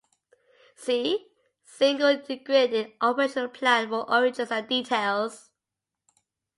See: Single Integrated Operational Plan for origins and details.